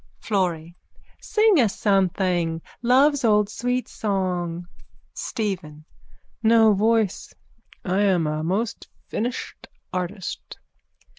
_ FLORRY: Sing us something. Love's old sweet song. STEPHEN: No voice. I am a most finished artist.